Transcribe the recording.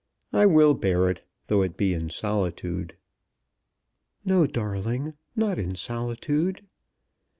I will bear it, though it be in solitude." "No, darling; not in solitude."